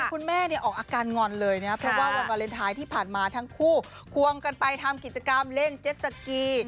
คุณแม่เนี่ยออกอาการงอนเลยนะเพราะว่าวันวาเลนไทยที่ผ่านมาทั้งคู่ควงกันไปทำกิจกรรมเล่นเจ็ดสกี